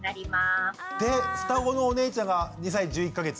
で双子のお姉ちゃんが２歳１１か月。